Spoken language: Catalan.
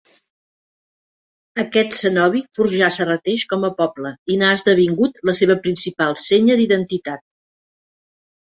Aquest cenobi forjà Serrateix com a poble i n'ha esdevingut la seva principal senya d'identitat.